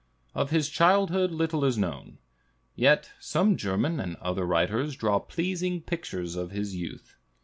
Of his childhood little is known; yet some German and other writers draw pleasing pictures of his youth.